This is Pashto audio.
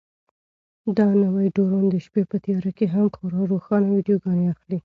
دا نوی ډرون د شپې په تیاره کې هم خورا روښانه ویډیوګانې اخلي.